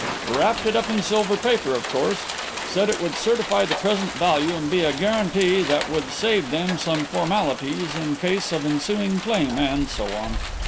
Wrapped it up in silver paper, of course; said it would certify the present value and be a guarantee that would save them some formalities in case of ensuing claim, and so on.